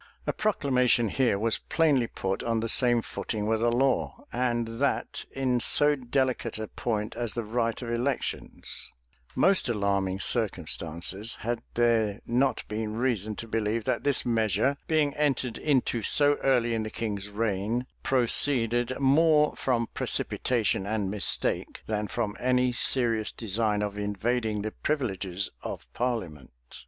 A proclamation here was plainly put on the same footing with a law, and that in so delicate a point as the right of elections; most alarming circumstances, had there not been reason to believe that this measure, being entered into so early in the king's reign, proceeded more from precipitation and mistake, than from any serious design of invading the privileges of parliament.